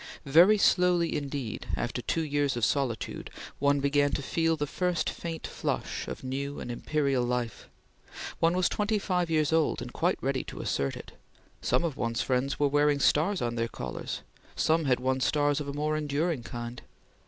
Very slowly, indeed, after two years of solitude, one began to feel the first faint flush of new and imperial life. One was twenty five years old, and quite ready to assert it; some of one's friends were wearing stars on their collars; some had won stars of a more enduring kind.